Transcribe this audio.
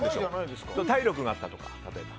体力があったとか、例えば。